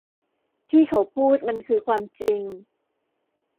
ที่เขาพูดมันคือความจริง